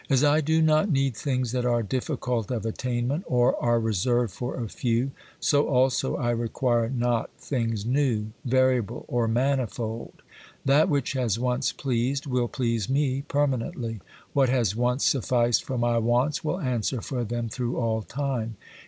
As I do not need things that are difficult of attainment, or are reserved for a few, so also I require not things new, variable, or manifold. That which has once pleased will please me permanently; what has once sufficed for my wants will answer for them through all time.